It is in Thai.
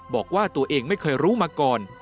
บอกว่าตัวเองไม่เคยรู้มาก่อน